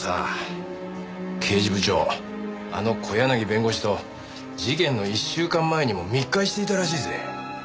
刑事部長あの小柳弁護士と事件の１週間前にも密会していたらしいぜ。